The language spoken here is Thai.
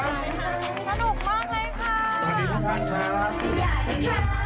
สวัสดีค่ะคุณผู้ชมค่ะวันนี้ฮาปัสพามาถึงจากกันอยู่ที่ยา